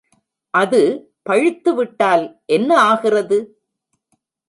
அது பழுத்துவிட்டால் என்ன ஆகிறது?